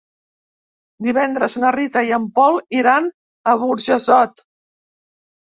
Divendres na Rita i en Pol iran a Burjassot.